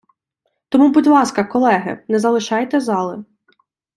Тому, будь ласка, колеги, не залишайте зали!